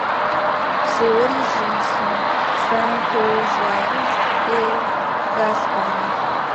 Ses origines sont saintongeaises et gasconnes.